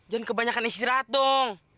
jangan kebanyakan istirahat dong